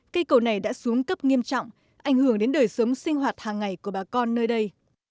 cây cầu này đã xuống cấp nghiêm trọng ảnh hưởng đến đời sống sinh hoạt hàng ngày của bà con nơi đây